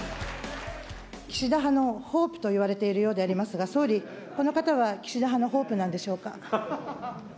岸田派のホープと言われるようでありますが、総理、この方は岸田派のホープなんでしょうか。